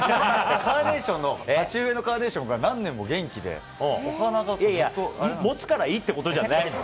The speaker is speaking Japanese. カーネーションの、鉢植えのカーネーションが何年も元気で、お花がちょっとあれなんもつからいいっていうことじゃないの。